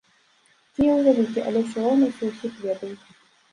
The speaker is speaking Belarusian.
Кіеў вялікі, але ўсё роўна ўсе ўсіх ведаюць.